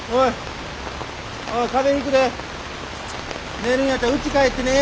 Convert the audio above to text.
寝るんやったらうち帰って寝ぇや。